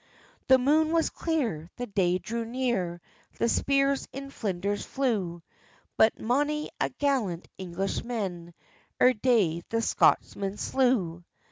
The moon was clear, the day drew near, The spears in flinders flew, But mony a gallant Englishman Ere day the Scotsmen slew.